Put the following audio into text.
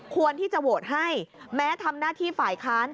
ควรที่จะโหวตให้แม้ทำหน้าที่ฝ่ายค้าน